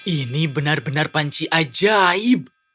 ini benar benar panci ajaib